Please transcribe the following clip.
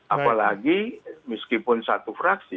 apalagi meskipun satu fraksi